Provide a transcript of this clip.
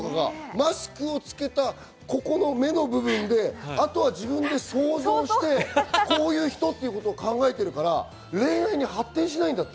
マスクをつけた目の部分で、あとは自分で想像して、こういう人っていうことを考えてるから恋愛に発展しないんだって。